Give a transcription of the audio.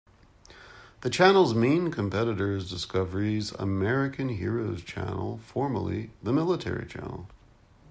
The channel's main competitor is Discovery's American Heroes Channel, formerly the Military Channel.